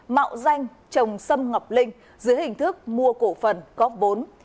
mạo danh trồng sâm ngọc linh dưới hình thức mua cổ phần góp vốn